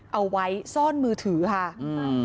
เอาไว้ซ่อนมือถือค่ะอืม